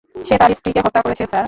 সে তার স্ত্রীকে হত্যা করেছে, স্যার।